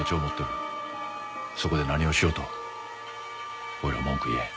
そこで何をしようと俺らは文句言えん。